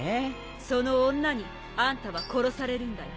その女にあんたは殺されるんだよ。